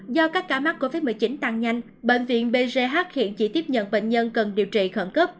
do các ca mắc covid một mươi chín tăng nhanh bệnh viện bch hiện chỉ tiếp nhận bệnh nhân cần điều trị khẩn cấp